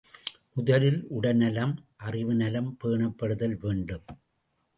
முதலில் உடல் நலம், அறிவு நலம் பேணப்படுதல் வேண்டும்.